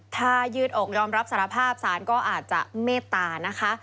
ถ้ายืดอกยอมรับสารภาพสารก็อาจจะเมตตานะคะ